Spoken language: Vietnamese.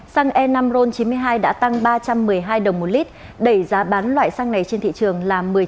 xăng e năm ron chín mươi hai đã tăng ba trăm một mươi hai đồng một lít đẩy giá bán loại xăng này trên thị trường là một mươi chín tám trăm một mươi chín đồng một lít